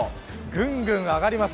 ぐんぐん上がります。